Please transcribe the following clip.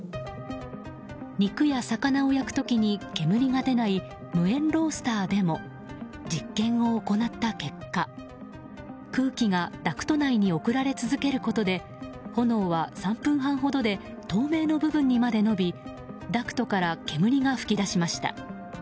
肉や魚を焼く時に煙が出ない無煙ロースターでも実験を行った結果空気がダクト内に送られ続けることで炎は３分半ほどで透明の部分にまで伸びダクトから煙が噴き出しました。